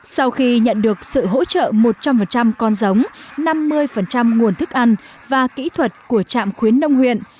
sau khi nhận được sự hỗ trợ một trăm linh con giống năm mươi nguồn thức ăn và kỹ thuật của trạm khuyến nông huyện